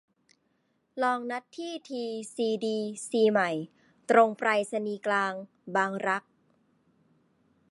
ลองนัดที่ทีซีดีซีใหม่ ตรงไปรษณีย์กลาง บางรัก